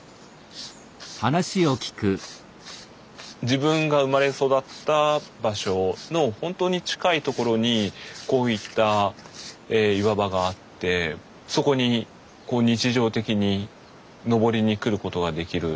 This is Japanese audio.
自分が生まれ育った場所の本当に近いところにこういった岩場があってそこに日常的に登りに来ることができる。